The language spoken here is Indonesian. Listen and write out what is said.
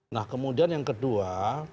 nah kemudian yang kedua